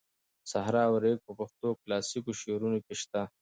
صحرا او ریګ په پښتو کلاسیکو شعرونو کې شته.